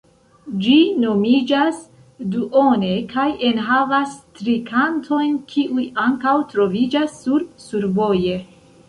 Ĝi nomiĝas "Duone" kaj enhavas tri kantojn kiuj ankaŭ troviĝas sur "Survoje".